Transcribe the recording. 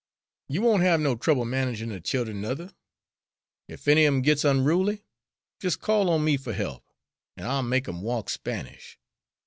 You won't have no trouble managin' de child'en, nuther. Ef any of 'em gits onruly, jes' call on me fer he'p, an' I'll make 'em walk Spanish.